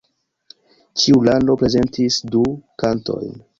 Ĉiu lando prezentis du kantojn.